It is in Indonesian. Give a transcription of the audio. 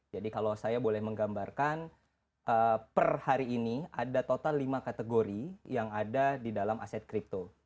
jadi kalau saya boleh menggambarkan per hari ini ada total lima kategori yang ada di dalam aset kripto